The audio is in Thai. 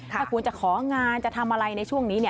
ถ้าคุณจะของานจะทำอะไรในช่วงนี้